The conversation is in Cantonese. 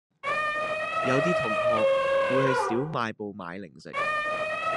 有啲同學會去小賣部買零食